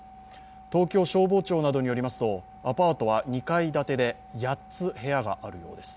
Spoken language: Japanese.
東京消防庁などによりますと、アパートは２階建てで８つ部屋があるようです。